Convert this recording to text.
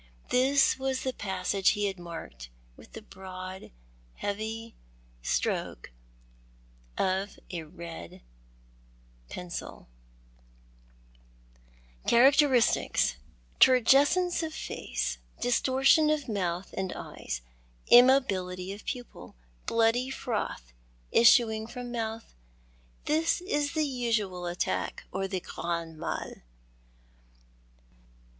This was the passage ho had marked with the broad, heavy stroke of a red pencil :—" Characteristics — turgesccnce of face, distortion of mouth and eyes, immobility of pupil, bloody froth issuing from mouth. This is the usual attack, or the grand mal."